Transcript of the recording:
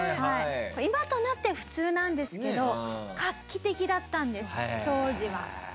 今となって普通なんですけど画期的だったんです当時は。